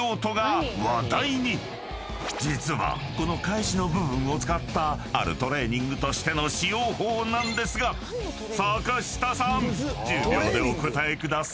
［実はこの返しの部分を使ったあるトレーニングとしての使用法なんですが坂下さん１０秒でお答えください］